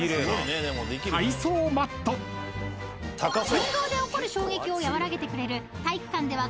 ［運動で起こる衝撃を和らげてくれる］